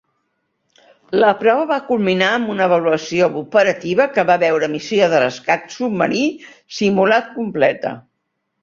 La prova va culminar amb una avaluació operativa que va veure missió de rescat submarí simulat completa.